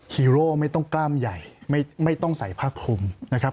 ฮีโร่ไม่ต้องกล้ามใหญ่ไม่ต้องใส่ผ้าคลุมนะครับ